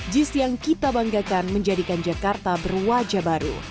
jis yang kita banggakan menjadikan jakarta berwajah baru